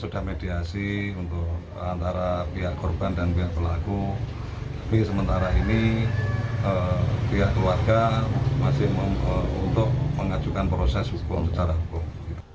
tapi sementara ini pihak keluarga masih untuk mengajukan proses hukum secara hukum